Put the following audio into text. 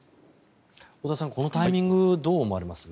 太田さん、このタイミングどう思われます？